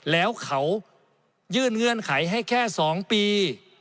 แล้วเขายื่นเงื่อนไขให้แค่๒ปี